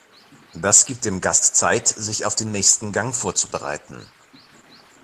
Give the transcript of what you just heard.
Das gibt dem Gast Zeit, sich auf den nächsten Gang vorzubereiten.